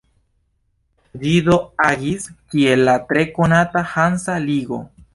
Ĝi do agis kiel la tre konata Hansa ligo.